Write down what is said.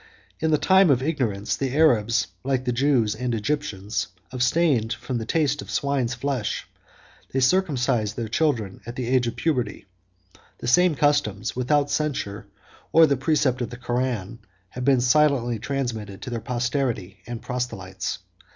In the time of ignorance, the Arabs, like the Jews and Egyptians, abstained from the taste of swine's flesh; 53 they circumcised 54 their children at the age of puberty: the same customs, without the censure or the precept of the Koran, have been silently transmitted to their posterity and proselytes.